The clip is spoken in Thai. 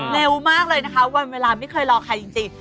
เร็วมากเลยนะคะวันเวลาไม่เคยรอใครจริง